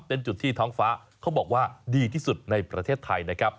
เป็นจุดที่ท้องฟ้าเขาบอกว่าดีที่สุดในประเทศไทยนะครับ